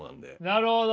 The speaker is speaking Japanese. なるほど。